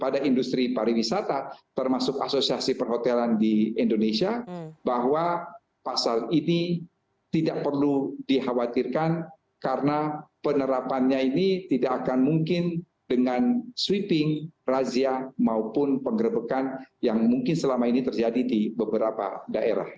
pada industri pariwisata termasuk asosiasi perhotelan di indonesia bahwa pasar ini tidak perlu dikhawatirkan karena penerapannya ini tidak akan mungkin dengan sweeping razia maupun penggerbekan yang mungkin selama ini terjadi di beberapa daerah